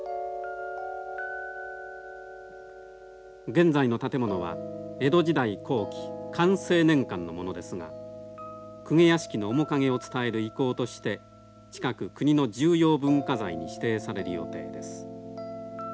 現在の建物は江戸時代後期寛政年間のものですが公家屋敷の面影を伝える遺構として近く国の重要文化財に指定される予定です。